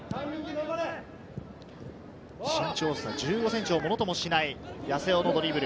身長差１５ｃｍをものともしない八瀬尾のドリブル。